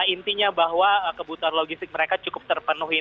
intinya bahwa kebutuhan logistik mereka cukup terpenuhi